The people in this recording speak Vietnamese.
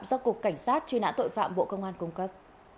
do cục cảnh sát truy nã tội phạm bộ công an cung cấp